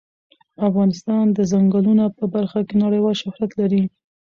افغانستان د ځنګلونه په برخه کې نړیوال شهرت لري.